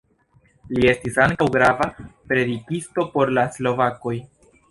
Li estis ankaŭ grava predikisto por la slovakoj.